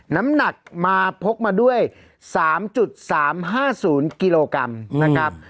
น้ำหนักมาพกมาด้วย๓๓๕๐กิโลกรัมนะครับ